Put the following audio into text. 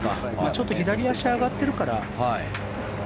ちょっと左足上がってるから。